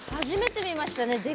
初めて見ましたね